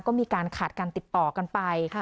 ก็มีการขาดการติดต่อกันไป